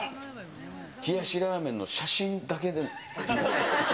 冷やしラーメンの写真だけで写真？